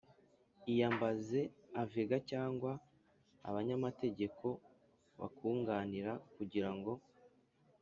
iyambaze avega cyangwa abanyamategeko bakunganira kugira ngo :